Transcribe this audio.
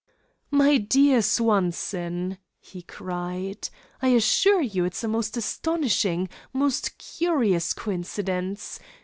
"My dear Swanson," he cried, "I assure you it's a most astonishing, most curious coincidence!